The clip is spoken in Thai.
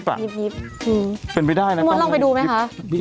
พูดถึงดับไหลล่าสี่